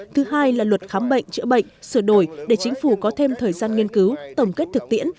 thứ hai là luật khám bệnh chữa bệnh sửa đổi để chính phủ có thêm thời gian nghiên cứu tổng kết thực tiễn